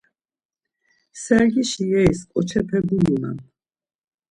Sergişi yeris ǩoçepe gulunan.